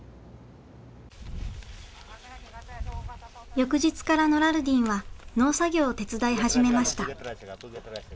翌日からノラルディンは農作業を手伝い始めました。